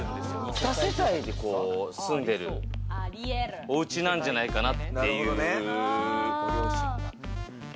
２世帯で住んでいるおうちなんじゃないかなという。